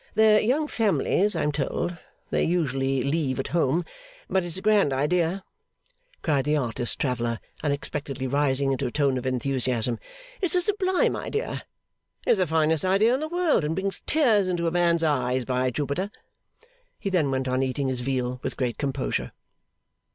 Their young families, I am told, they usually leave at home. But it's a grand idea!' cried the artist traveller, unexpectedly rising into a tone of enthusiasm. 'It's a sublime idea. It's the finest idea in the world, and brings tears into a man's eyes, by Jupiter!' He then went on eating his veal with great composure.